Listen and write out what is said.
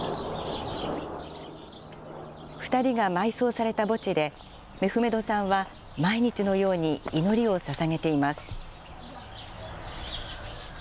２人が埋葬された墓地で、メフメドさんは、毎日のように祈りをささげています。